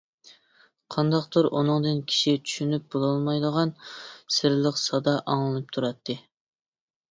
قانداقتۇر ئۇنىڭدىن كىشى چۈشىنىپ بولالمايدىغان سىرلىق سادا ئاڭلىنىپ تۇراتتى.